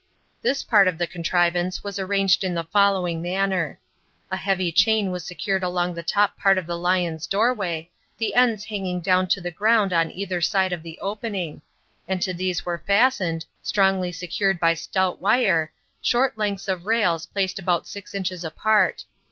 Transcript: This part of the contrivance was arranged in the following manner. A heavy chain was secured along the top part of the lion's doorway, the ends hanging down to the ground on either side of the opening; and to these were fastened, strongly secured by stout wire, short lengths of rails placed about six inches apart.